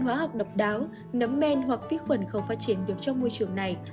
ngoài da vì thanh văn hóa học độc đáo nấm men hoặc vết khuẩn không phát triển được trong môi trường này